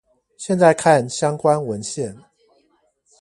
現在看相關文獻